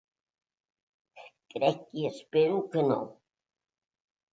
Crec i espero que no.